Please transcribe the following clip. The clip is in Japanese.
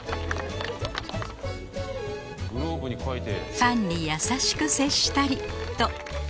ファンに優しく接したりと